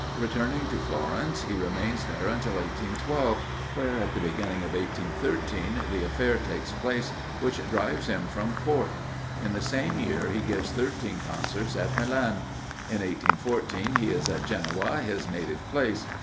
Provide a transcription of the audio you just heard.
Returning to Florence, he remains there during 1812, where, at the beginning of 1813, the affair takes place which drives him from Court. In the same year he gives thirteen concerts at Milan. In 1814 he is at Genoa, his native place.